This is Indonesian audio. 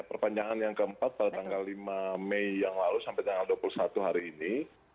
perpanjangan yang keempat pada tanggal lima mei yang lalu sampai tanggal dua puluh satu hari ini